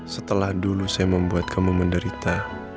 setelah dulu saya membuat kamu menderita